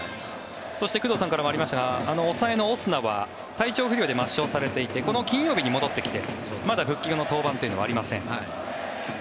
そして工藤さんからもありましたが、抑えのオスナは体調不良で抹消されていてこの金曜日に戻ってきてまだ復帰後の登板というのはありません。